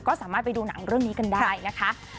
ก็สามารถไปดูหนังเรื่องนี้กันได้นะคะ